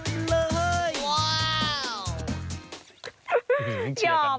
หื้มเชียวชัดมันโอ้โหยอม